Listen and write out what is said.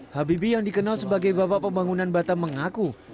habibie yang dikenal sebagai bapak pembangunan batam mengaku